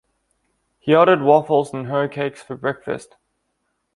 He ordered waffles and hoe-cakes for breakfast.